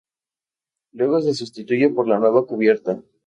Luego se sustituye por la nueva cubierta.